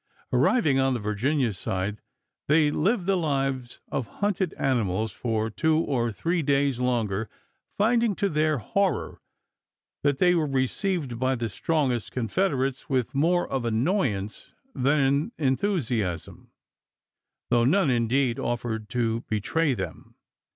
Arriv ing on the Virginia side, they lived the lives of hunted animals for two or three days longer, find ing to their horror that they were received by the strongest Confederates with more of annoyance than enthusiasm — though none, indeed, offered to be " Trial of tray them.